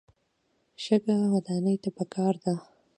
شګه ودانۍ ته پکار ده.